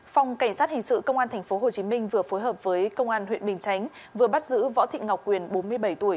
phòng cảnh sát hình sự công an tp hcm vừa phối hợp với công an huyện bình chánh vừa bắt giữ võ thị ngọc quyền bốn mươi bảy tuổi